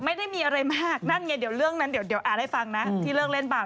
ไม่ได้มีอะไรมากนั่นไงเดี๋ยวเล่นให้ฟังนะที่เลิกเล่นบ้าง